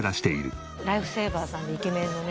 ライフセーバーさんでイケメンのね。